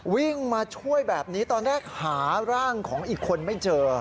วิ่งมาช่วยแบบนี้แต่เมื่อหาร่างอีกคนไม่เจอ